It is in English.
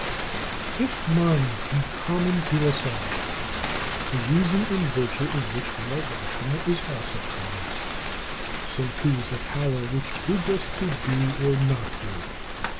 4. If mind be common to us all, the reason in virtue of which we are rational is also common; so too is the power which bids us do or not do.